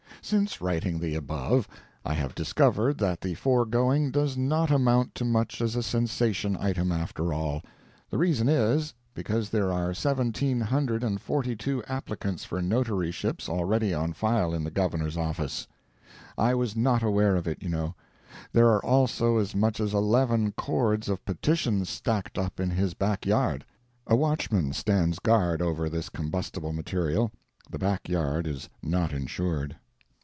Since writing the above, I have discovered that the foregoing does not amount to much as a sensation item, after all. The reason is, because there are seventeen hundred and forty two applications for notaryships already on file in the Governor's office. I was not aware of it, you know. There are also as much as eleven cords of petitions stacked up in his back yard. A watchman stands guard over this combustible material—the back yard is not insured.